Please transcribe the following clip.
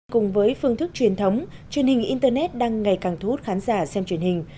cùng với phương thức truyền thống truyền hình internet đang ngày càng thu hút khán giả xem truyền hình